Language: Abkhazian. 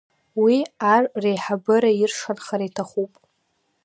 Уи ар реиҳабыра иршанхар иҭахуп.